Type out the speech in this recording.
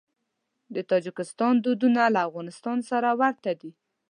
د تاجکستان دودونه له افغانستان سره ورته دي.